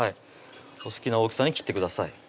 お好きな大きさに切ってください